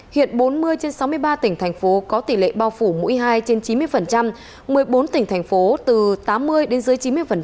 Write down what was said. hiện bốn mươi trên sáu mươi ba tỉnh thành phố có tỷ lệ bao phủ mũi hai trên chín mươi một mươi bốn tỉnh thành phố từ tám mươi đến dưới chín mươi